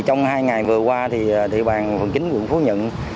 trong hai ngày vừa qua thì địa bàn phần chính quận phố nhận